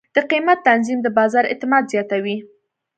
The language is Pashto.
د قیمت تنظیم د بازار اعتماد زیاتوي.